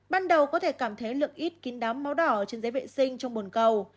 ban đầu có thể cảm thấy lượng ít kín đám máu đỏ trên giấy vệ sinh trong bồn cầu